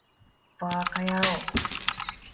ヴぁかやろう